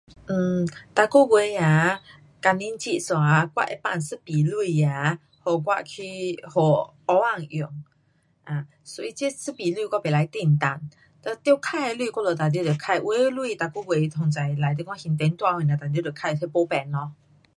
呃,每个月啊，工钱进一下啊，我会放一笔钱啊，给我去给后天用。[um]so 他这一笔钱我不可震动。哒得花的钱我们一定得花，有的钱每个月反正 like 你还电单什么，一定得花这没变咯。